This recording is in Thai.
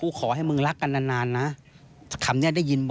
คู่ขอให้มึงรักกันนานนะ